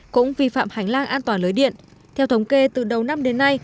cũng vi phạm hành lang an toàn lưới điện theo thống kê từ đầu năm đến nay